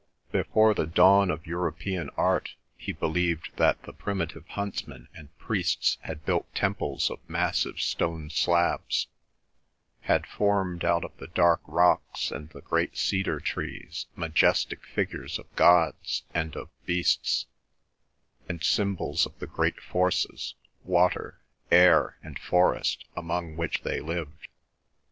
Before the dawn of European art he believed that the primitive huntsmen and priests had built temples of massive stone slabs, had formed out of the dark rocks and the great cedar trees majestic figures of gods and of beasts, and symbols of the great forces, water, air, and forest among which they lived.